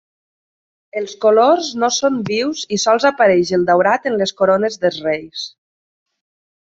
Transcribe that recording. Els colors no són vius i sols apareix el daurat en les corones dels Reis.